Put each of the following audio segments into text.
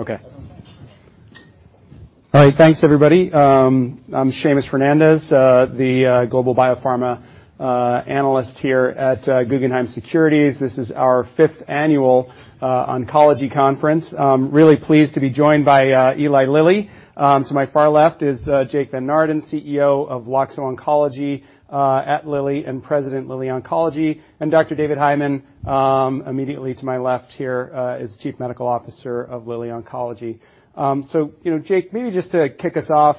Okay. All right. Thanks, everybody. I'm Seamus Fernandez, the global biopharma analyst here at Guggenheim Securities. This is our fifth annual oncology conference. Really pleased to be joined by Eli Lilly. To my far left is Jake Van Naarden, CEO of Loxo Oncology at Lilly, and President, Lilly Oncology. Dr. David Hyman, immediately to my left here, is Chief Medical Officer of Lilly Oncology. You know, Jake, maybe just to kick us off,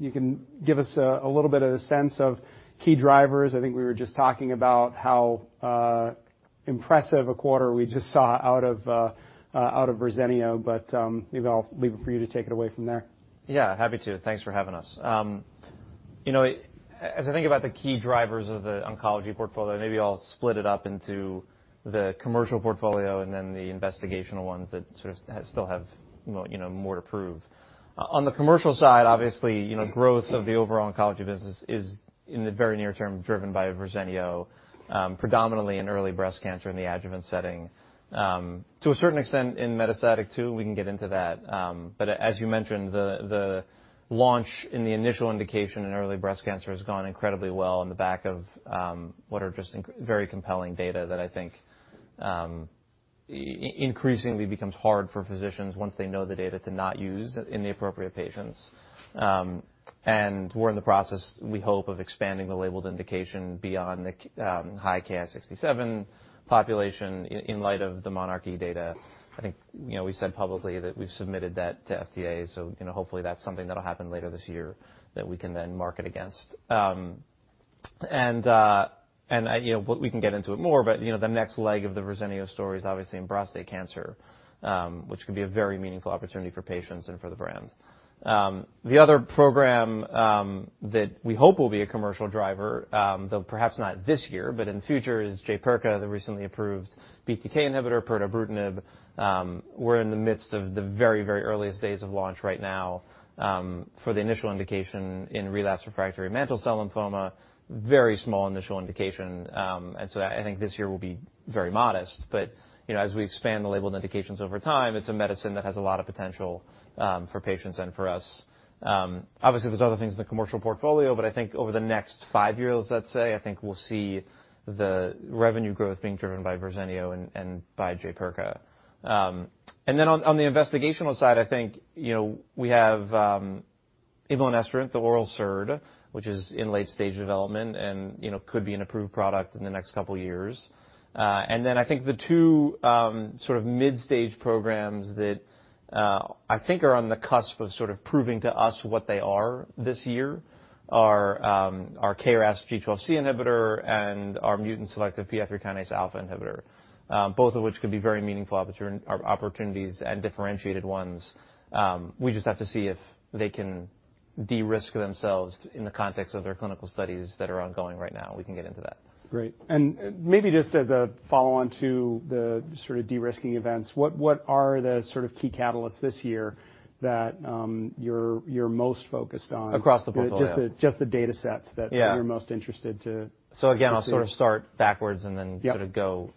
you can give us a little bit of the sense of key drivers. I think we were just talking about how impressive a quarter we just saw out of Verzenio, but maybe I'll leave it for you to take it away from there. Yeah. Happy to. Thanks for having us. You know, as I think about the key drivers of the oncology portfolio, maybe I'll split it up into the commercial portfolio and then the investigational ones that sort of still have more, you know, more to prove. On the commercial side, obviously, you know, growth of the overall oncology business is in the very near term driven by Verzenio, predominantly in early breast cancer in the adjuvant setting. To a certain extent in metastatic too, we can get into that. As you mentioned, the launch in the initial indication in early breast cancer has gone incredibly well on the back of what are just very compelling data that I think increasingly becomes hard for physicians once they know the data to not use in the appropriate patients. We're in the process, we hope, of expanding the labeled indication beyond the high Ki-67 population in light of the MONARCH-E data. I think, you know, we said publicly that we've submitted that to FDA, you know, hopefully that's something that'll happen later this year that we can then market against. You know, we can get into it more, you know, the next leg of the Verzenio story is obviously in prostate cancer, which could be a very meaningful opportunity for patients and for the brand. The other program that we hope will be a commercial driver, though perhaps not this year, but in the future, is Jaypirca, the recently approved BTK inhibitor, pirtobrutinib. We're in the midst of the very, very earliest days of launch right now, for the initial indication in relapse refractory mantle cell lymphoma. Very small initial indication. I think this year will be very modest. You know, as we expand the label and indications over time, it's a medicine that has a lot of potential for patients and for us. Obviously, there's other things in the commercial portfolio, but I think over the next five years, let's say, I think we'll see the revenue growth being driven by Verzenio and by Jaypirca. On the investigational side, I think, you know, we have imlunestrant, the oral SERD, which is in late stage development and, you know, could be an approved product in the next couple years. I think the two sort of mid-stage programs that I think are on the cusp of sort of proving to us what they are this year are our KRAS G12C inhibitor and our mutant selective PI3 kinase alpha inhibitor, both of which could be very meaningful opportunities and differentiated ones. We just have to see if they can de-risk themselves in the context of their clinical studies that are ongoing right now. We can get into that. Great. Maybe just as a follow-on to the sort of de-risking events, what are the sort of key catalysts this year that you're most focused on? Across the portfolio. Just the datasets. Yeah. You're most interested to- So again- to see. I'll sort of start backwards and then sort of go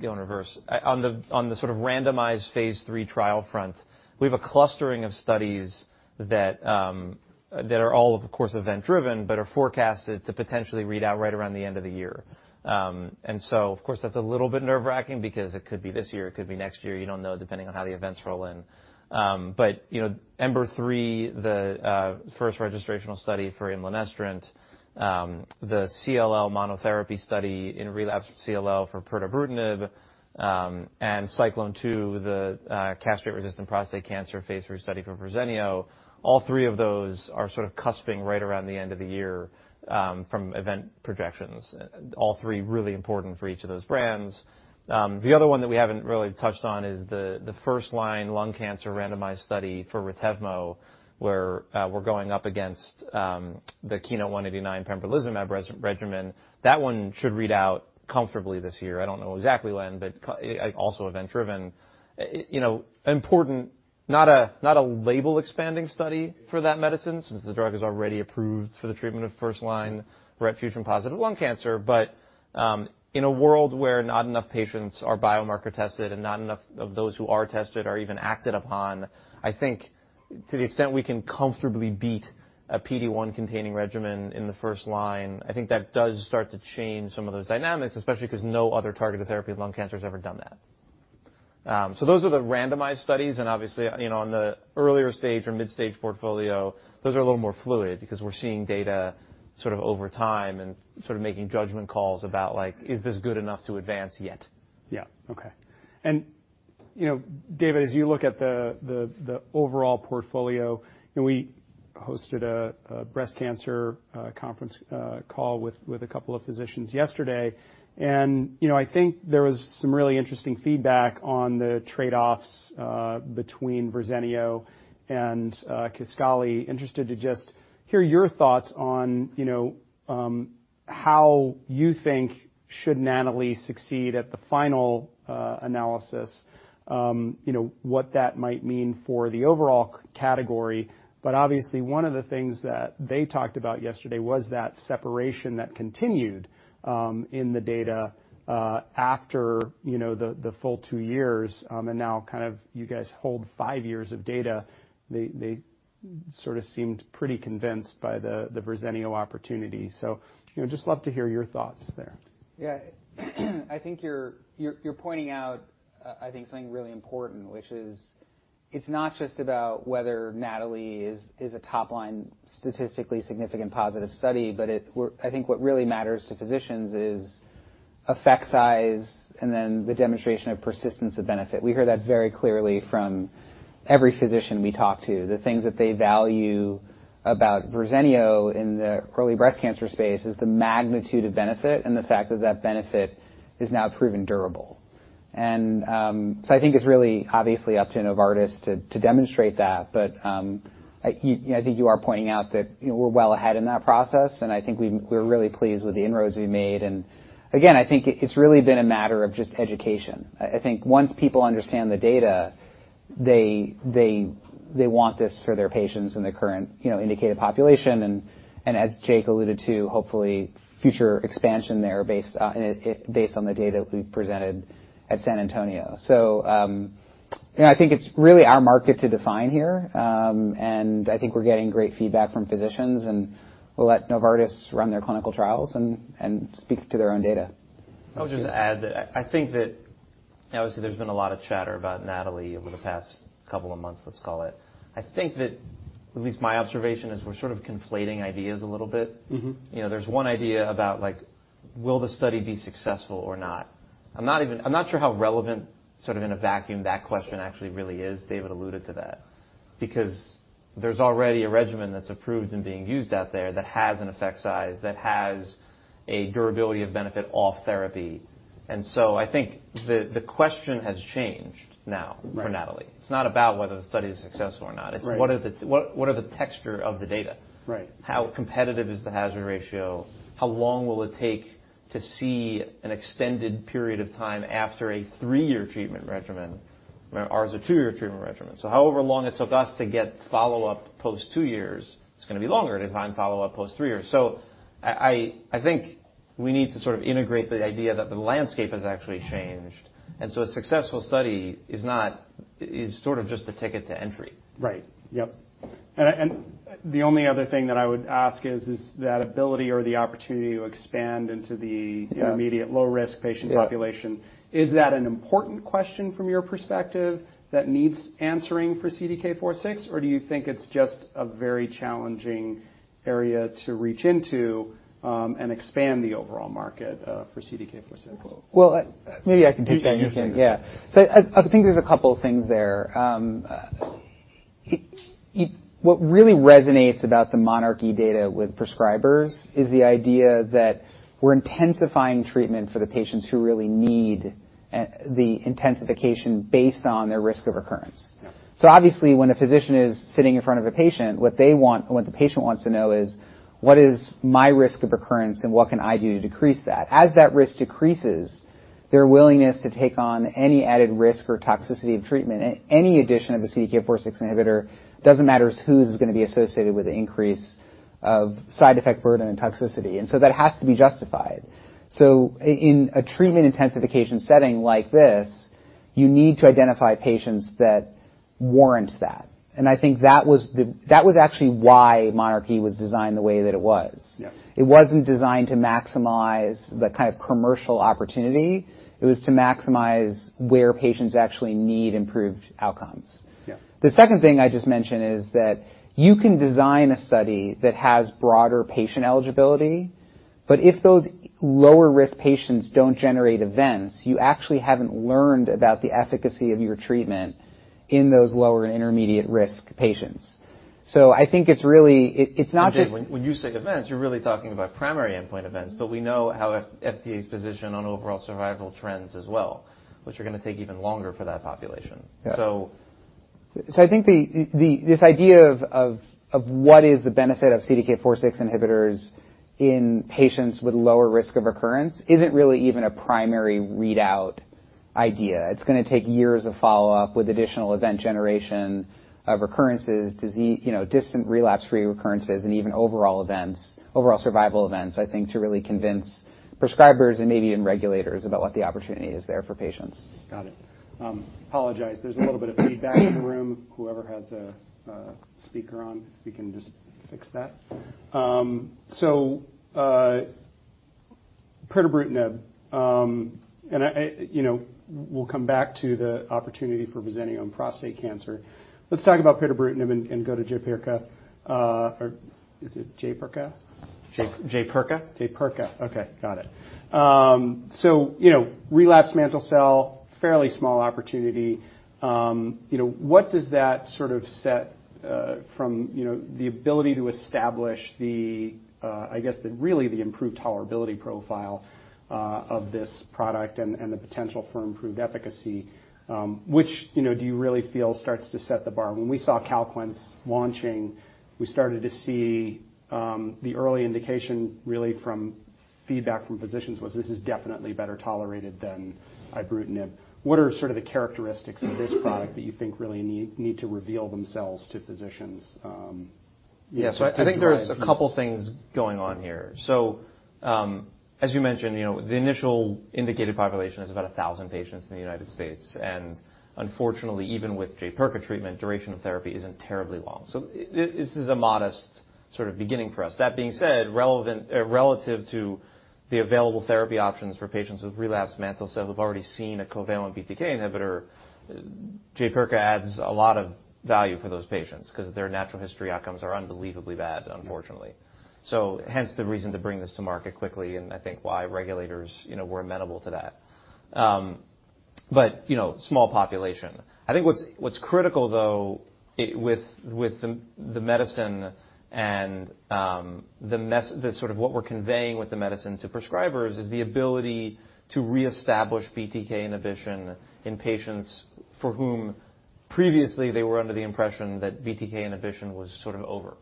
in reverse. On the sort of randomized phase III trial front, we have a clustering of studies that are all of course event driven, but are forecasted to potentially read out right around the end of the year. Of course that's a little bit nerve-wracking because it could be this year, it could be next year, you don't know, depending on how the events roll in. You know, EMBER-3, the first registrational study for imlunestrant, the CLL monotherapy study in relapsed CLL for pirtobrutinib, and CYCLONE 2, the castration-resistant prostate cancer phase III study for Verzenio, all three of those are sort of cusping right around the end of the year from event projections. All three really important for each of those brands. The other one that we haven't really touched on is the first line lung cancer randomized study for RETEVMO, where we're going up against the KEYNOTE-189 pembrolizumab regimen. That one should read out comfortably this year. I don't know exactly when, but also event driven. You know, important, not a label expanding study for that medicine since the drug is already approved for the treatment of first line RET fusion-positive lung cancer. In a world where not enough patients are biomarker tested and not enough of those who are tested are even acted upon, I think to the extent we can comfortably beat a PD-1 containing regimen in the first line, I think that does start to change some of those dynamics, especially 'cause no other targeted therapy of lung cancer has ever done that. Those are the randomized studies, and obviously, you know, on the earlier stage or mid-stage portfolio, those are a little more fluid because we're seeing data sort of over time and sort of making judgment calls about, like, is this good enough to advance yet? Yeah. Okay. You know, David, as you look at the overall portfolio, we hosted a breast cancer conference call with a couple of physicians yesterday, and, you know, I think there was some really interesting feedback on the trade-offs between Verzenio and Kisqali. Interested to just hear your thoughts on, you know, how you think should MONALEESA succeed at the final analysis, you know, what that might mean for the overall category. Obviously one of the things that they talked about yesterday was that separation that continued in the data after, you know, the full two years, and now kind of you guys hold five years of data. They sort of seemed pretty convinced by the Verzenio opportunity. You know, just love to hear your thoughts there. Yeah. I think you're pointing out, I think something really important, which is it's not just about whether MONALEESA is a top line statistically significant positive study, what really matters to physicians is effect size and then the demonstration of persistence of benefit. We hear that very clearly from every physician we talk to. The things that they value about Verzenio in the early breast cancer space is the magnitude of benefit and the fact that that benefit is now proven durable. I think it's really obviously up to Novartis to demonstrate that. I think you are pointing out that, you know, we're well ahead in that process, I think we're really pleased with the inroads we've made. Again, I think it's really been a matter of just education. I think once people understand the data, they want this for their patients in the current, you know, indicated population and as Jake alluded to, hopefully future expansion there based on the data we presented at San Antonio. You know, I think it's really our market to define here. I think we're getting great feedback from physicians, and we'll let Novartis run their clinical trials and speak to their own data. Okay. I'll just add that I think that obviously there's been a lot of chatter about MONALEESA over the past couple of months, let's call it. I think that at least my observation is we're sort of conflating ideas a little bit. Mm-hmm. You know, there's one idea about, like, will the study be successful or not? I'm not sure how relevant sort of in a vacuum that question actually really is. David alluded to that. Because there's already a regimen that's approved and being used out there that has an effect size, that has a durability of benefit off therapy. I think the question has changed now. Right. For MONALEESA. It's not about whether the study is successful or not. Right. It's what are the texture of the data? Right. How competitive is the hazard ratio? How long will it take to see an extended period of time after a three-year treatment regimen? Ours are two-year treatment regimen. However long it took us to get follow-up post two years, it's gonna be longer to find follow-up post three years. I think we need to sort of integrate the idea that the landscape has actually changed. A successful study is not sort of just the ticket to entry. Right. Yep. The only other thing that I would ask is that ability or the opportunity to expand into the immediate low-risk patient population. Yeah. Is that an important question from your perspective that needs answering for CDK4/6? Or do you think it's just a very challenging area to reach into, and expand the overall market, for CDK4/6? Well, maybe I can take that. You can. I think there's a couple of things there. What really resonates about the MONARCH data with prescribers is the idea that we're intensifying treatment for the patients who really need the intensification based on their risk of recurrence. Obviously, when a physician is sitting in front of a patient, what they want or what the patient wants to know is, "What is my risk of recurrence, and what can I do to decrease that?" As that risk decreases, their willingness to take on any added risk or toxicity of treatment, any addition of a CDK4/6 inhibitor doesn't matter who's gonna be associated with the increase of side effect burden and toxicity. That has to be justified. In a treatment intensification setting like this, you need to identify patients that warrant that. I think that was actually why MONARCH was designed the way that it was. Yeah. It wasn't designed to maximize the kind of commercial opportunity. It was to maximize where patients actually need improved outcomes. Yeah. The second thing I just mentioned is that you can design a study that has broader patient eligibility, but if those lower-risk patients don't generate events, you actually haven't learned about the efficacy of your treatment in those lower intermediate risk patients. I think it's really. It's not just. When you say events, you're really talking about primary endpoint events. We know how FDA's position on overall survival trends as well, which are gonna take even longer for that population. Yeah. So... I think this idea of what is the benefit of CDK4/6 inhibitors in patients with lower risk of recurrence isn't really even a primary readout idea. It's gonna take years of follow-up with additional event generation of recurrences, disease, you know, distant relapse-free recurrences, and even overall events, overall survival events, I think, to really convince prescribers and maybe even regulators about what the opportunity is there for patients. Got it. Apologize. There's a little bit of feedback in the room. Whoever has a speaker on, if we can just fix that. Pirtobrutinib. You know, we'll come back to the opportunity for Verzenio in prostate cancer. Let's talk about pirtobrutinib and go to Jaypirca. Is it Jaypirca? Jaypirca. Jaypirca. Okay. Got it. You know, relapse mantle cell, fairly small opportunity. You know, what does that sort of set from, you know, the ability to establish the, I guess, the really the improved tolerability profile of this product and the potential for improved efficacy, which, you know, do you really feel starts to set the bar? When we saw CALQUENCE launching, we started to see the early indication really from feedback from physicians was, this is definitely better tolerated than ibrutinib. What are sort of the characteristics of this product that you think really need to reveal themselves to physicians, you know, to drive use? Yeah. I think there's a couple things going on here. As you mentioned, you know, the initial indicated population is about 1,000 patients in the United States. Unfortunately, even with Jaypirca treatment, duration of therapy isn't terribly long. This is a modest sort of beginning for us. That being said, relative to the available therapy options for patients with relapsed mantle cell who've already seen a covalent BTK inhibitor, Jaypirca adds a lot of value for those patients 'cause their natural history outcomes are unbelievably bad, unfortunately. Yeah. Hence the reason to bring this to market quickly, and I think why regulators, you know, were amenable to that. You know, small population. I think what's critical though, with the medicine and the sort of what we're conveying with the medicine to prescribers is the ability to reestablish BTK inhibition in patients for whom previously they were under the impression that BTK inhibition was sort of over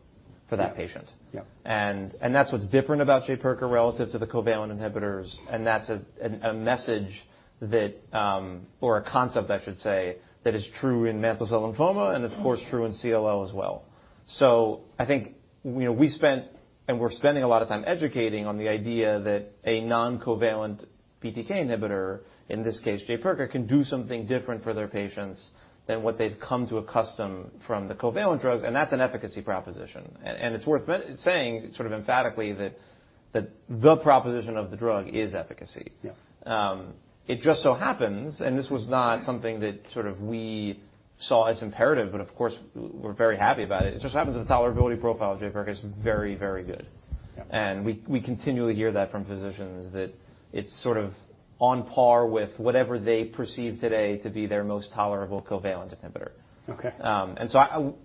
for that patient. Yeah. Yeah. That's what's different about Jaypirca relative to the covalent inhibitors, and that's a message that, or a concept I should say, that is true in mantle cell lymphoma and of course true in CLL as well. I think, you know, we spent, and we're spending a lot of time educating on the idea that a non-covalent BTK inhibitor, in this case Jaypirca, can do something different for their patients than what they've come to accustom from the covalent drugs, and that's an efficacy proposition. It's worth me saying sort of emphatically that the proposition of the drug is efficacy. Yeah. It just so happens, and this was not something that sort of we saw as imperative, but of course we're very happy about it. It just happens that the tolerability profile of Jaypirca is very, very good. Yeah. We continually hear that from physicians that it's sort of on par with whatever they perceive today to be their most tolerable covalent inhibitor. Okay.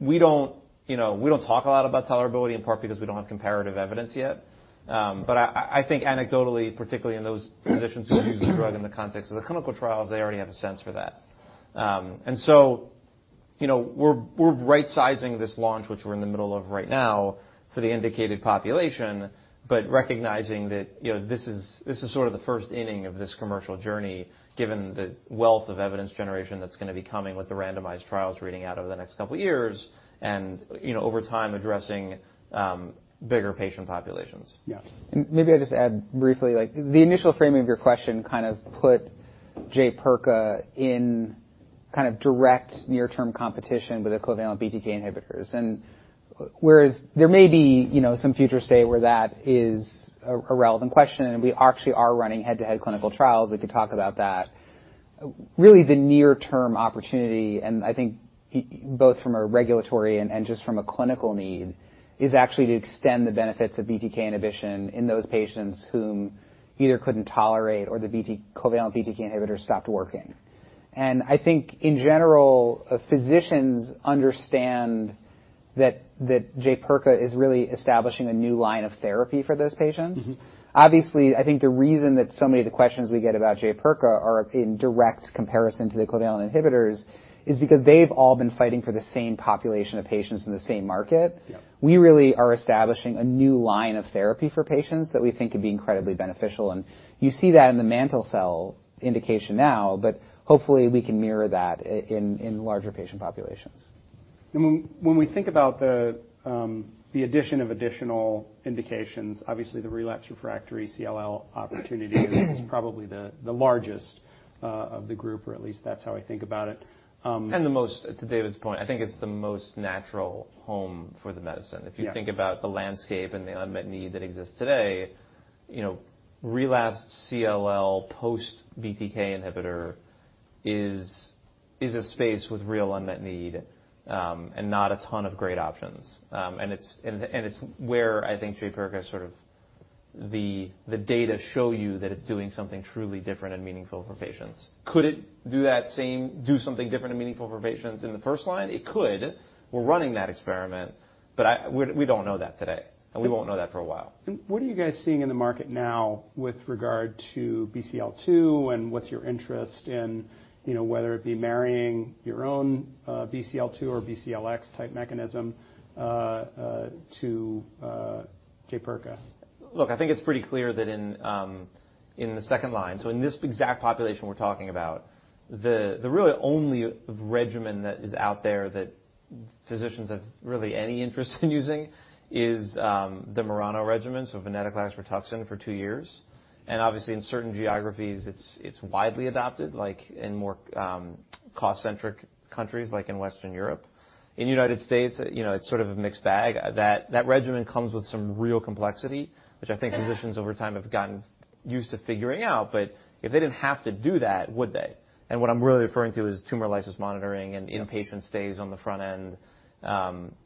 We don't, you know, we don't talk a lot about tolerability in part because we don't have comparative evidence yet. I think anecdotally, particularly in those physicians who've used the drug in the context of the clinical trials, they already have a sense for that. You know, we're right-sizing this launch, which we're in the middle of right now, for the indicated population, but recognizing that, you know, this is, this is sort of the first inning of this commercial journey, given the wealth of evidence generation that's gonna be coming with the randomized trials reading out over the next couple years and, you know, over time addressing, bigger patient populations. Yeah. Maybe I just add briefly, like the initial framing of your question kind of put Jaypirca in kind of direct near-term competition with the covalent BTK inhibitors. Whereas there may be, you know, some future state where that is a relevant question, and we actually are running head-to-head clinical trials, we can talk about that. Really the near term opportunity, and I think both from a regulatory and just from a clinical need, is actually to extend the benefits of BTK inhibition in those patients whom either couldn't tolerate or the covalent BTK inhibitor stopped working. I think in general, physicians understand that Jaypirca is really establishing a new line of therapy for those patients. Mm-hmm. Obviously, I think the reason that so many of the questions we get about Jaypirca are in direct comparison to the covalent inhibitors is because they've all been fighting for the same population of patients in the same market. Yeah. We really are establishing a new line of therapy for patients that we think could be incredibly beneficial. You see that in the mantle cell indication now. Hopefully we can mirror that in larger patient populations. When we think about the addition of additional indications, obviously the relapse refractory CLL opportunity is probably the largest of the group, or at least that's how I think about it. The most, to David's point, I think it's the most natural home for the medicine. Yeah. If you think about the landscape and the unmet need that exists today, you know, relapsed CLL post BTK inhibitor is a space with real unmet need, and not a ton of great options. It's where I think Jaypirca is sort of the data show you that it's doing something truly different and meaningful for patients. Could it do something different and meaningful for patients in the first line? It could. We're running that experiment, we don't know that today, and we won't know that for a while. What are you guys seeing in the market now with regard to BCL-2 and what's your interest in, you know, whether it be marrying your own BCL-2 or BCL-X type mechanism to Jaypirca? Look, I think it's pretty clear that in the second line, so in this exact population we're talking about, the really only regimen that is out there that physicians have really any interest in using is the MURANO regimen, so Venetoclax Rituximab for two years. Obviously in certain geographies, it's widely adopted, like in more cost-centric countries like in Western Europe. In United States, you know, it's sort of a mixed bag. That, that regimen comes with some real complexity, which I think physicians over time have gotten used to figuring out. If they didn't have to do that, would they? What I'm really referring to is tumor lysis monitoring and inpatient stays on the front end.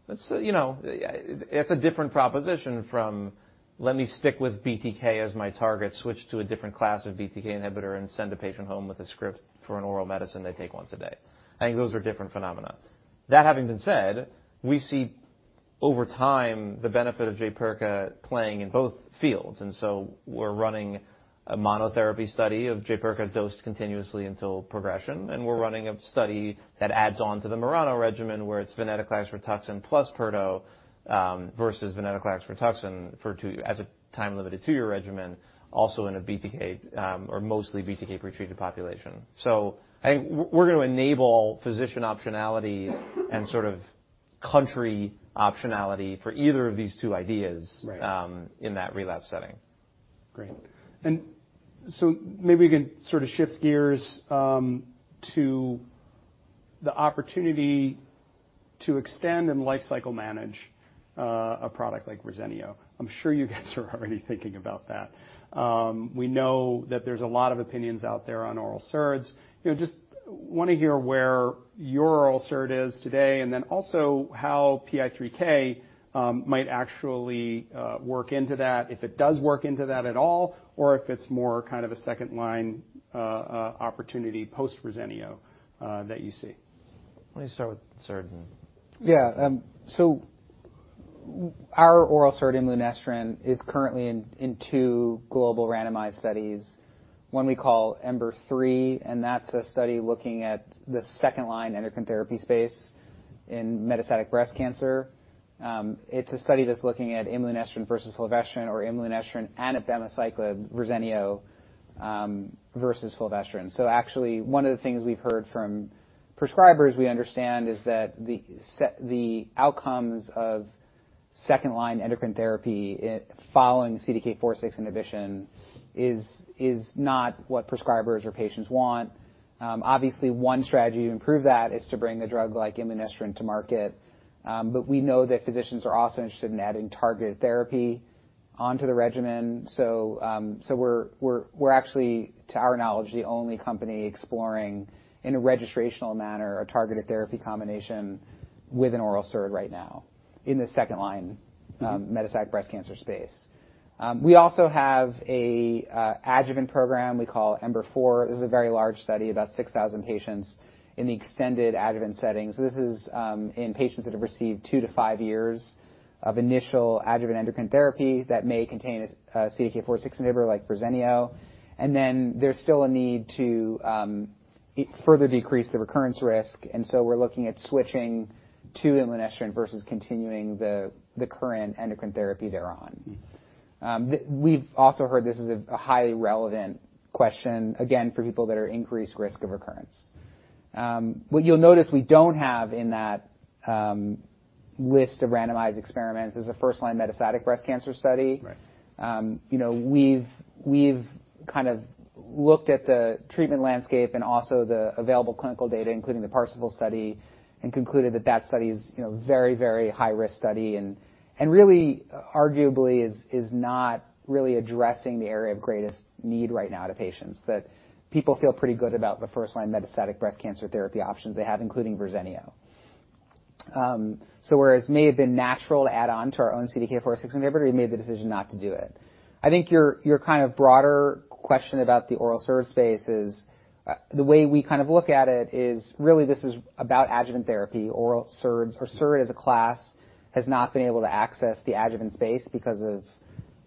It's, you know, it's a different proposition from, let me stick with BTK as my target, switch to a different class of BTK inhibitor and send a patient home with a script for an oral medicine they take once a day. I think those are different phenomena. That having been said, we see over time the benefit of Jaypirca playing in both fields, and we're running a monotherapy study of Jaypirca dosed continuously until progression, and we're running a study that adds on to the MURANO regimen, where it's venetoclax rituximab plus pirtobrutinib versus venetoclax rituximab as a time limited two-year regimen, also in a BTK, or mostly BTK pre-treated population. I think we're gonna enable physician optionality and sort of country optionality for either of these two ideas. Right. In that relapse setting. Great. Maybe we can sort of shift gears to the opportunity to extend and life cycle manage a product like Verzenio. I'm sure you guys are already thinking about that. We know that there's a lot of opinions out there on oral SERDs. You know, just wanna hear where your oral SERD is today, and then also how PI3K might actually work into that, if it does work into that at all, or if it's more kind of a second line opportunity post-Verzenio that you see. Let me start with the SERD. Our oral SERD imlunestrant is currently in two global randomized studies. One we call EMBER-3, that's a study looking at the second-line endocrine therapy space in metastatic breast cancer. It's a study that's looking at imlunestrant versus fulvestrant or imlunestrant and abemaciclib, Verzenio, versus fulvestrant. Actually one of the things we've heard from prescribers we understand is that the outcomes of second line endocrine therapy following CDK4/6 inhibition is not what prescribers or patients want. Obviously one strategy to improve that is to bring a drug like imlunestrant to market. We know that physicians are also interested in adding targeted therapy onto the regimen. We're actually, to our knowledge, the only company exploring in a registrational manner a targeted therapy combination with an oral SERD right now in the second line metastatic breast cancer space. We also have a adjuvant program we call EMBER-4. This is a very large study, about 6,000 patients in the extended adjuvant setting. This is in patients that have received two to five years of initial adjuvant endocrine therapy that may contain a CDK4/6 inhibitor like Verzenio. There's still a need to further decrease the recurrence risk, and so we're looking at switching to imlunestrant versus continuing the current endocrine therapy they're on. We've also heard this is a highly relevant question, again, for people that are increased risk of recurrence. What you'll notice we don't have in that list of randomized experiments is a first-line metastatic breast cancer study. Right. You know, we've kind of looked at the treatment landscape and also the available clinical data, including the PARSIFAL study, and concluded that that study is, you know, very, very high-risk study and really arguably is not really addressing the area of greatest need right now to patients, that people feel pretty good about the first-line metastatic breast cancer therapy options they have, including Verzenio. Whereas it may have been natural to add on to our own CDK4/6 inhibitor, we made the decision not to do it. I think your kind of broader question about the oral SERD space is, the way we kind of look at it is really this is about adjuvant therapy. Oral SERDs or SERD as a class has not been able to access the adjuvant space because of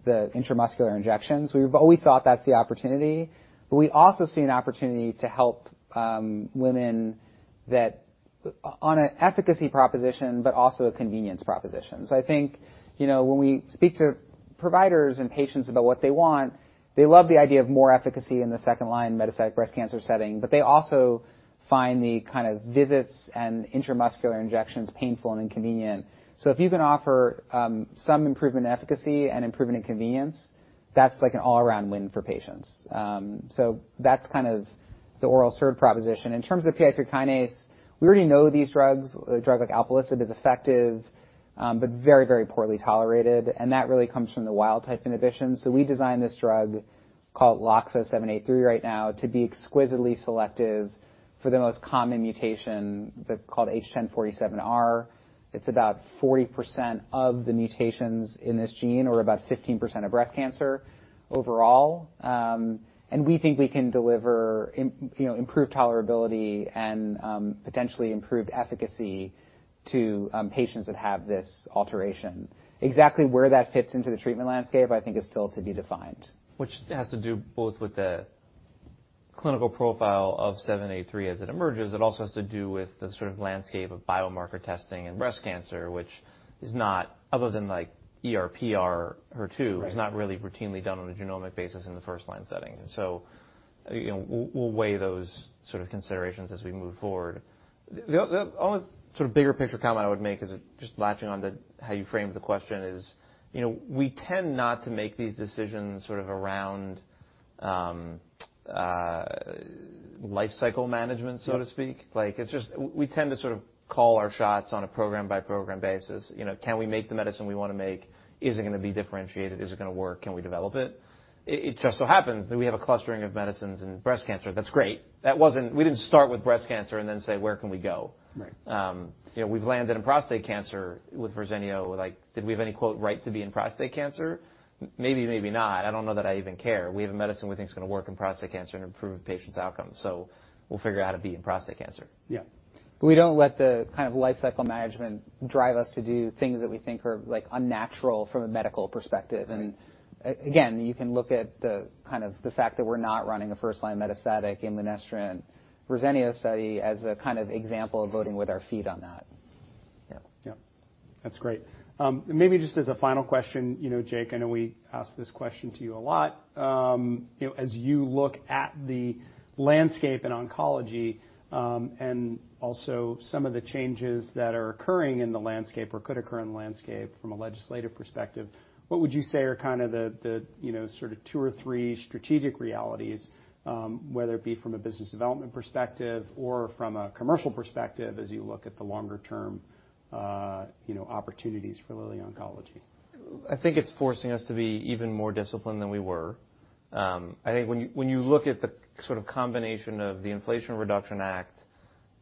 the intramuscular injections. We've always thought that's the opportunity, we also see an opportunity to help women on an efficacy proposition, but also a convenience proposition. I think, you know, when we speak to providers and patients about what they want, they love the idea of more efficacy in the second-line metastatic breast cancer setting, but they also find the kind of visits and intramuscular injections painful and inconvenient. If you can offer some improvement in efficacy and improvement in convenience, that's like an all-around win for patients. That's kind of the oral SERD proposition. In terms of PI3Kα, we already know these drugs. A drug like alpelisib is effective, very poorly tolerated, and that really comes from the wild type inhibition. We designed this drug called LOXO-783 right now to be exquisitely selective for the most common mutation, called H1047R. It's about 40% of the mutations in this gene or about 15% of breast cancer overall. We think we can deliver you know, improved tolerability and potentially improved efficacy to patients that have this alteration. Exactly where that fits into the treatment landscape, I think is still to be defined. Which has to do both with the clinical profile of 783 as it emerges. It also has to do with the sort of landscape of biomarker testing and breast cancer, which is not other than like ER, PR, HER2 is not really routinely done on a genomic basis in the first line setting. You know, we'll weigh those sort of considerations as we move forward. The only sort of bigger picture comment I would make is just latching on to how you framed the question is, you know, we tend not to make these decisions sort of around life cycle management, so to speak. We tend to sort of call our shots on a program-by-program basis. You know, can we make the medicine we wanna make? Is it gonna be differentiated? Is it gonna work? Can we develop it? It just so happens that we have a clustering of medicines in breast cancer. That's great. We didn't start with breast cancer and then say, where can we go? Right. You know, we've landed in prostate cancer with Verzenio. Like did we have any quote, right to be in prostate cancer? maybe not. I don't know that I even care. We have a medicine we think is gonna work in prostate cancer and improve patients' outcomes, so we'll figure out how to be in prostate cancer. Yeah. We don't let the kind of life cycle management drive us to do things that we think are like unnatural from a medical perspective. Right. Again, you can look at the kind of the fact that we're not running a first-line metastatic imlunestrant Verzenio study as a kind of example of voting with our feet on that. Yeah. That's great. Maybe just as a final question, you know, Jake, I know we ask this question to you a lot. You know, as you look at the landscape in oncology, and also some of the changes that are occurring in the landscape or could occur in the landscape from a legislative perspective, what would you say are kinda the, you know, sort of two or three strategic realities, whether it be from a business development perspective or from a commercial perspective as you look at the longer term, you know, opportunities for Lilly Oncology? I think it's forcing us to be even more disciplined than we were. I think when you look at the sort of combination of the Inflation Reduction Act,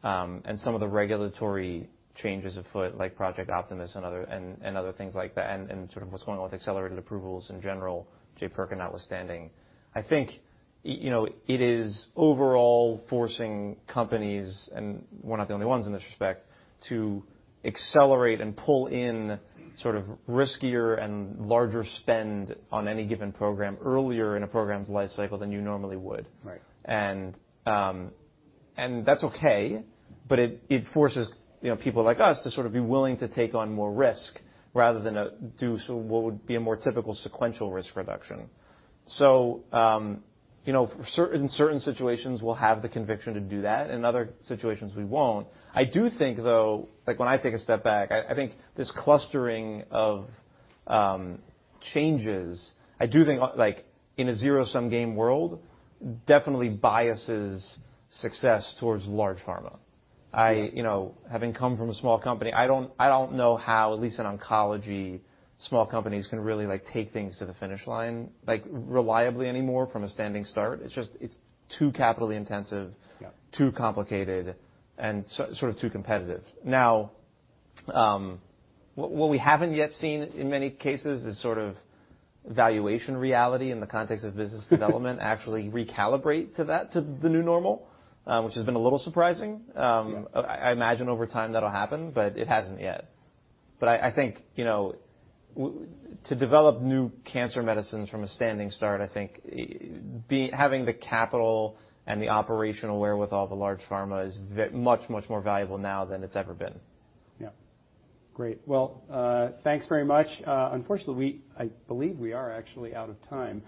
and some of the regulatory changes afoot, like Project Optimus and other things like that, and sort of what's going on with accelerated approvals in general, Jaypirca notwithstanding, I think, you know, it is overall forcing companies, and we're not the only ones in this respect, to accelerate and pull in sort of riskier and larger spend on any given program earlier in a program's life cycle than you normally would. Right. That's okay, but it forces, you know, people like us to sort of be willing to take on more risk rather than do sort of what would be a more typical sequential risk reduction. you know, in certain situations we'll have the conviction to do that, in other situations we won't. I do think though, like when I take a step back, I think this clustering of changes, I do think like in a zero-sum game world, definitely biases success towards large pharma. I, you know, having come from a small company, I don't, I don't know how, at least in oncology, small companies can really like take things to the finish line, like reliably anymore from a standing start. It's just, it's too capitally intensive. Yeah. Too complicated, and sort of too competitive. Now, what we haven't yet seen in many cases is sort of valuation reality in the context of business development actually recalibrate to that, to the new normal, which has been a little surprising. Yeah. I imagine over time that'll happen, but it hasn't yet. I think, you know, to develop new cancer medicines from a standing start, I think having the capital and the operational wherewithal of a large pharma is much more valuable now than it's ever been. Yeah. Great. Well, thanks very much. Unfortunately, I believe we are actually out of time.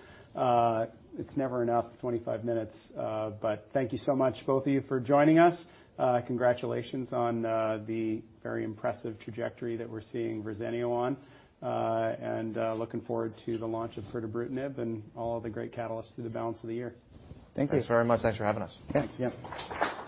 It's never enough, 25 minutes, but thank you so much both of you for joining us. Congratulations on the very impressive trajectory that we're seeing Verzenio on. Looking forward to the launch of pirtobrutinib and all the great catalysts through the balance of the year. Thank you. Thanks very much. Thanks for having us. Yeah. Yeah.